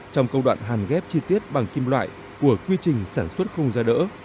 trong câu đoạn hàn ghép chi tiết bằng kim loại của quy trình sản xuất không da đỡ